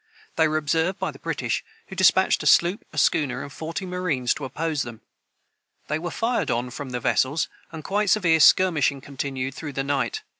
They were observed by the British, who despatched a sloop, a schooner, and forty marines, to oppose them. They were fired on from the vessels, and quite severe skirmishing continued through the night.